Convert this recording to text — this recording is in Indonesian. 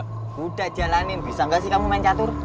kuda jalanin bisa gak sih kamu main catur